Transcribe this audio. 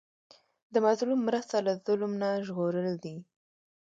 د مظلوم مرسته له ظلم نه ژغورل دي.